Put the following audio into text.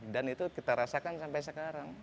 dan itu kita rasakan sampai sekarang